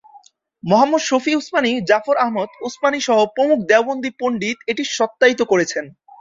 মুহাম্মদ শফি উসমানি, জাফর আহমদ উসমানি সহ প্রমুখ দেওবন্দি পণ্ডিত এটি সত্যায়িত করেছেন।